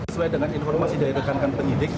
sesuai dengan informasi dari rekankan penyidik